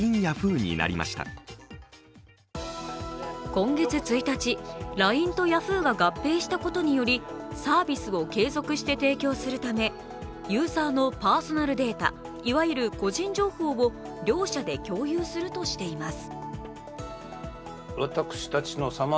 今月１日、ＬＩＮＥとヤフーが合併したことによりサービスを継続して提供するため、ユーザーのパーソナルデータいわゆる個人情報を両者で共有するとしています。